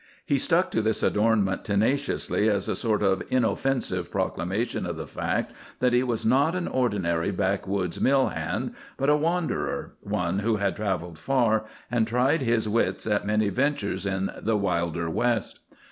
He stuck to this adornment tenaciously as a sort of inoffensive proclamation of the fact that he was not an ordinary backwoods mill hand, but a wanderer, one who had travelled far, and tried his wits at many ventures in the wilder West.